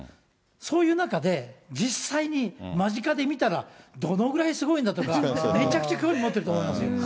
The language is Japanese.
そういう中で、実際に間近で見たらどのぐらいすごいんだとか、めちゃくちゃ興味持ってると思いますよ。